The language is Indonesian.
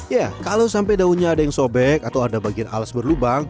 ya kalau sampai daunnya ada yang sobek atau ada bagian alas berlubang